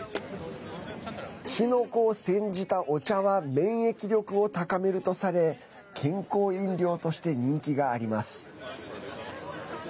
キノコをせんじたお茶は免疫力を高めるとされ健康飲料として人気があります。